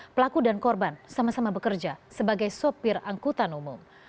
pelaku dan korban sama sama bekerja sebagai sopir angkutan umum